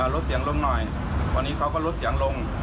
ลดเสียงลงหน่อยวันนี้เขาก็ลดเสียงลง